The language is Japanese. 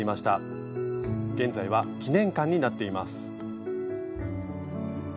現在は記念館になっています。